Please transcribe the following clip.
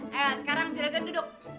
sekarang juragan duduk